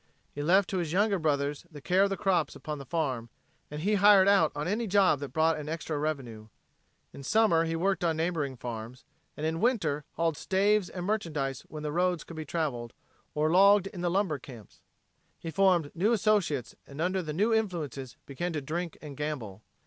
He left to his younger brothers the care of the crops upon the farm and he hired out on any job that brought an extra revenue. In summer he worked on neighboring farms, and in winter hauled staves and merchandise when the roads could be traveled, or logged in the lumber camps. He formed new associates and under the new influences began to drink and gamble.